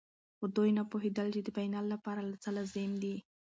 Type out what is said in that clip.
خو دوی نه پوهېدل چې د فاینل لپاره څه لازم دي.